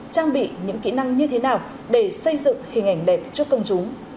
trang bị những kỹ năng như thế nào để xây dựng hình ảnh đẹp cho công chúng